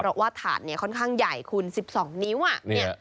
เพราะว่าถาดเนี้ยค่อนข้างใหญ่คุณสิบสองนิ้วอ่ะเนี้ย